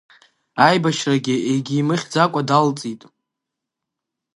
Аибашьрагьы егьимыхьӡакәа далҵит.